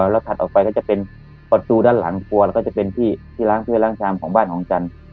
แล้วถัดออกไปก็จะเป็นประตูด้านหลังครัวแล้วก็จะเป็นที่ล้างเพื่อล้างชามของบ้านของจันทร์